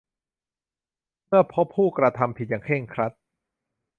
เมื่อพบผู้กระทำผิดอย่างเคร่งครัด